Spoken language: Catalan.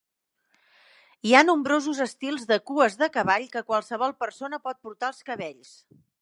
Hi ha nombrosos estils de cues de cavall que qualsevol persona pot portar als cabells.